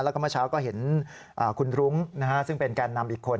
แล้วก็เมื่อเช้าก็เห็นคุณรุ้งซึ่งเป็นแก่นนำอีกคน